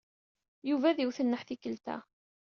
Yuba ad iwet nneḥ tikkelt-a.